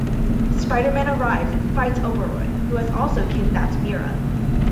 Spider-Man arrives and fights Oberoi, who has also kidnapped Meera.